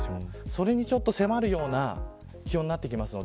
それに迫るような気温になってきます。